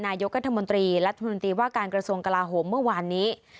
นายกรัฐมนตรีรัฐมนตรีว่าการกระทรวงกลาโหมเมื่อวานนี้